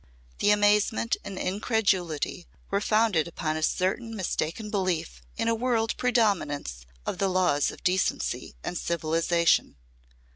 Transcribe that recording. The amazement and incredulity were founded upon a certain mistaken belief in a world predominance of the laws of decency and civilisation.